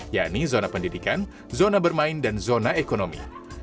yakni zona pendidikan zona bermain dan zona ekonomi